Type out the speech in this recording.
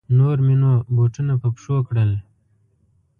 نور مې نو بوټونه په پښو کړل.